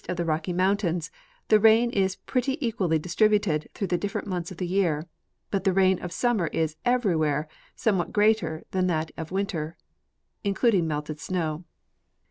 47 of the Rocky mountains the rain is pretty equally distributed through the different months of the year, but the rain of sum mer is everyiohere somewhat greater than that of winter, including melted snow."